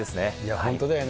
本当だよね。